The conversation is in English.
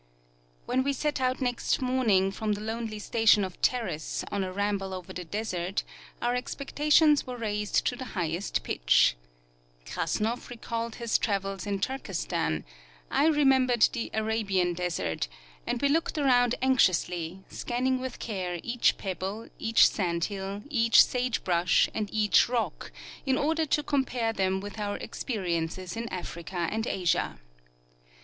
When we set out next morning from the lonely station of Terrace on a ramble over the desert our expectations were raised to the highest pitch. Krassnoff recalled his travels in Turkestan ; I remembered the Arabian desert ; and we looked around anx iously, scanning with care each pebble, each sandhill, each sage bush and each rock, in order to comj^are them with our expe riences in Africa and Asia.